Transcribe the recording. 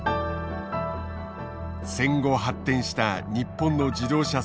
戦後発展した日本の自動車産業。